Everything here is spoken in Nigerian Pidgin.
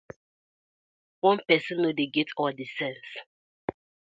One pesin no dey get all the sence.